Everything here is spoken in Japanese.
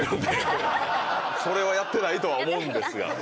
それはやってないとは思うんですが。